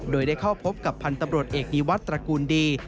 โดยได้เข้าพบกับพันธุ์ตำรวจเอกดีวัตรตระกูลดี